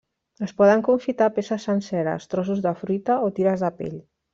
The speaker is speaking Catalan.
Es poden confitar peces senceres, trossos de fruita o tires de pell.